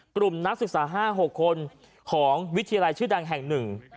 กลุ่มนักศึกษา๕๖คนของวิทยาลัยชื่อดังแห่ง๑